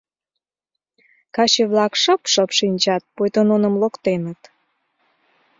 Каче-влак шып-шып шинчат, пуйто нуным локтеныт.